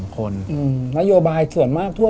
ก็ตกลง